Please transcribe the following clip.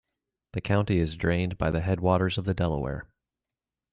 The county is drained by the headwaters of the Delaware.